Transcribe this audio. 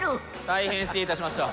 大変失礼いたしました。